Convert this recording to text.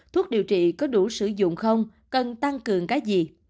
thuốc điều trị có đủ sử dụng không cần tăng cường cái gì